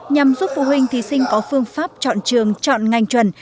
nhằm giúp phụ huynh thí sinh có phương pháp chọn trường chọn ngành chuẩn